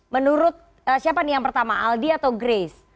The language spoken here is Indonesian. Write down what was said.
menurut siapa nih yang pertama aldi atau grace